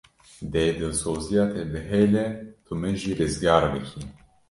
Dê dilzosiya te bihêle tu min jî rizgar bikî.